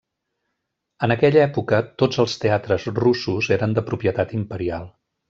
En aquella època, tots els teatres russos eren de propietat imperial.